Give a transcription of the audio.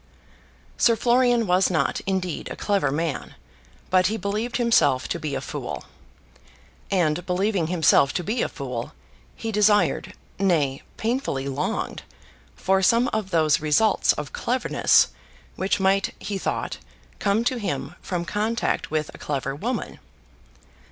Sir Florian was not, indeed, a clever man; but he believed himself to be a fool. And believing himself to be a fool, he desired, nay, painfully longed, for some of those results of cleverness which might, he thought, come to him, from contact with a clever woman.